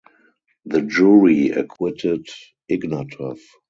The jury acquitted Ignatow.